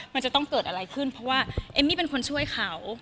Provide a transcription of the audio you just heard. มันจะต้องเกิดอะไรขึ้นเพราะว่าเอมมี่เป็นคนช่วยเขา